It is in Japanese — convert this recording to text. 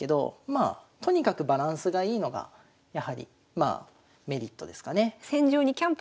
まあとにかくバランスがいいのがやはりまあメリットですかね。